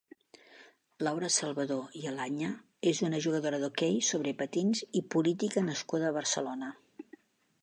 Laura Salvador i Alaña és una jugadora d'hoquei sobre patins i política nascuda a Barcelona.